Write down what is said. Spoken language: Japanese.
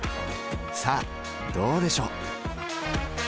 さあどうでしょう？